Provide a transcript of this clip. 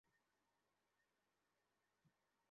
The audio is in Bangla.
হা, লুডো, কে প্রথমে এগিয়ে আসবে?